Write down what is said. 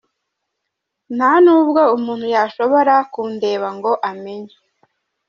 Nta nubwo umuntu yashobora kundeba ngo amenye.